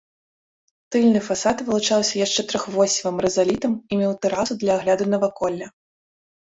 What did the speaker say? Тыльны фасад вылучаўся яшчэ трохвосевым рызалітам і меў тэрасу для агляду наваколля.